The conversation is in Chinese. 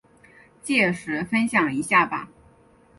届时分享一下吧